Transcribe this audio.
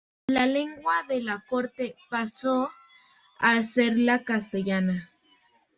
La lengua de la corte pasó a ser la castellana.